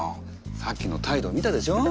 さっきの態度見たでしょ？